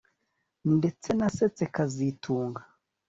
Ndetse nasetse kazitunga